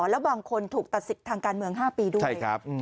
แล้วบางคนถูกตัดสิทธิ์ทางการเมือง๕ปีด้วย